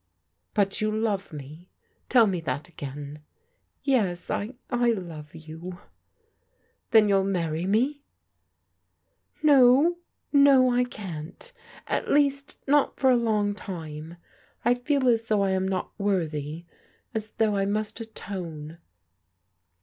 " But you love me? Tell me that again. " Yes, I— I love you." Then you'll marry me? " No, no, I can't, at least not for a long time. I fed as though I am not worthy, as though I must atone."